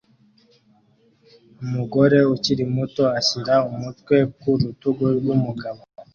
Umugore ukiri muto ashyira umutwe ku rutugu rw'umugabo